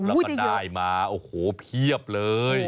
แล้วก็ได้มาโอ้โหเพียบเลย